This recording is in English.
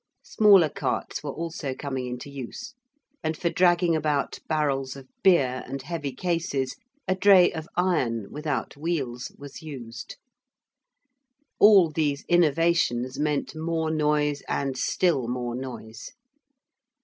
Smaller carts were also coming into use. And for dragging about barrels of beer and heavy cases a dray of iron, without wheels, was used. All these innovations meant more noise and still more noise.